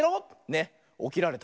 ねおきられた。